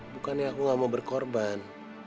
bukannya aku gak mau berkorban